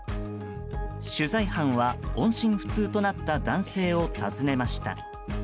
取材班は、音信不通となった男性を訪ねました。